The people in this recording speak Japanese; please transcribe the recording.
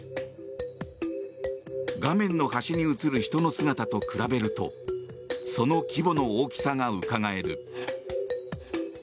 画面の端に映る人の姿と比べるとその規模の大きさがうかがえる。